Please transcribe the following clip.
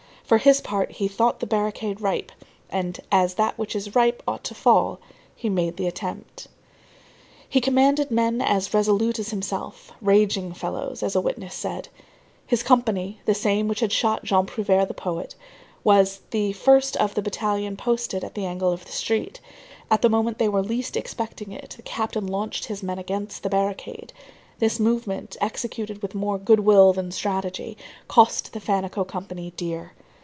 For his part, he thought the barricade ripe, and as that which is ripe ought to fall, he made the attempt. He commanded men as resolute as himself, "raging fellows," as a witness said. His company, the same which had shot Jean Prouvaire the poet, was the first of the battalion posted at the angle of the street. At the moment when they were least expecting it, the captain launched his men against the barricade. This movement, executed with more good will than strategy, cost the Fannicot company dear.